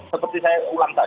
seperti saya ulang tadi